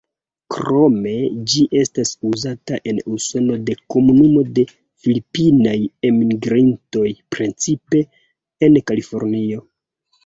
Krome ĝi estas uzata en Usono de komunumo de filipinaj enmigrintoj, precipe en Kalifornio.